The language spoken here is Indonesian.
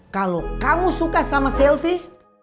kalau kamu suka sama selfie